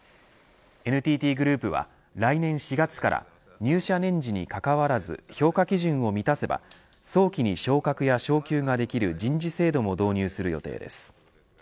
ＮＴＴグループは来年４月から入社年次にかかわらず評価基準を満たせば早期に昇格や昇給ができる人事制度も導入する予定です。